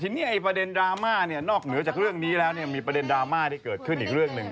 ทีนี้ไอ้ประเด็นดราม่าเนี่ยนอกเหนือจากเรื่องนี้แล้วเนี่ยมีประเด็นดราม่าที่เกิดขึ้นอีกเรื่องหนึ่ง